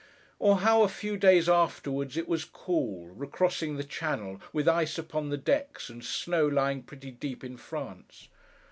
Or how, a few days afterwards, it was cool, re crossing the channel, with ice upon the decks, and snow lying pretty deep in France.